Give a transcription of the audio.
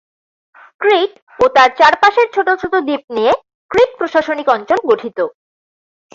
ক্রিট ও তার চারপাশের ছোট ছোট দ্বীপ নিয়ে ক্রিট প্রশাসনিক অঞ্চল গঠিত।